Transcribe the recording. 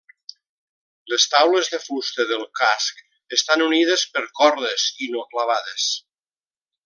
Les taules de fusta del casc estan unides per cordes, i no clavades.